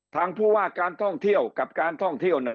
ทางผู้ว่าการท่องเที่ยวกับการท่องเที่ยวเนี่ย